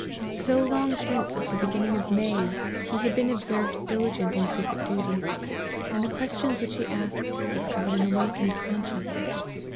So long since as the beginning of May, he had been observed diligent in secret duties ; and the questions which he asked, discovered an awakened conscience.